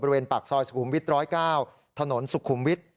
บริเวณปากซอยสุขุมวิท๑๐๙ถนนสุขุมวิท